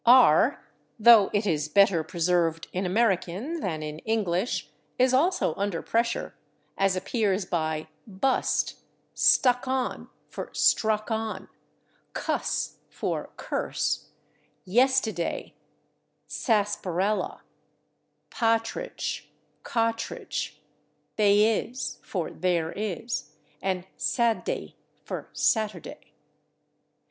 /R/, though it is better preserved in American than in English, is also under pressure, as appears by /bust/, /stuck on/ (for /struck on/), /cuss/ (for /curse/), /yestiddy/, /sa's'parella/, /pa'tridge/, /ca'tridge/, /they is/ (for /there is/) and /Sadd'y/ (for /Saturday